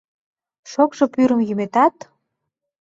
Шокшо пӱрым йӱметат